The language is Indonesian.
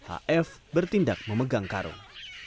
af bertindak memegang karung